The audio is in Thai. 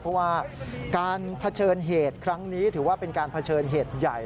เพราะว่าการเผชิญเหตุครั้งนี้ถือว่าเป็นการเผชิญเหตุใหญ่